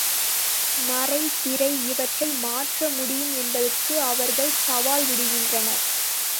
நரை திரை இவற்றை மாற்ற முடியும் என்பதற்கு அவர்கள் சவால் விடுகின்றனர்.